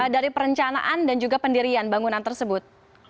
dari perencanaan dan juga pendirian bangunan tersebut